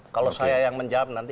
kalau saya yang menjawab nanti